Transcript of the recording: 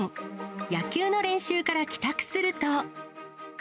野球の練習から帰宅すると。